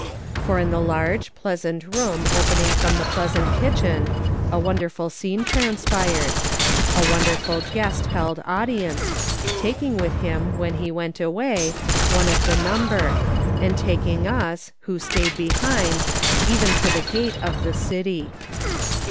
For in the large, pleasant room opening from the pleasant kitchen, a wonderful scene transpired ; a wonderful guest held audience, taking with him when he went away one of the number, and taking us, who stayed behind, even to the gate of the city.